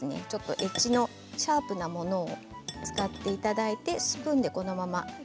エッジのシャープなものを使っていただいてスプーンでこのまま。